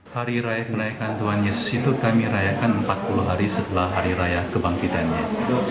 hari raya menaikkan tuhan yesus itu kami rayakan empat puluh hari setelah hari raya kebangkitannya